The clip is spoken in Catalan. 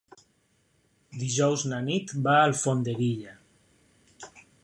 Dijous na Nit va a Alfondeguilla.